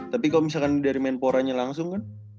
tapi kalau misalkan dari menporanya langsung kan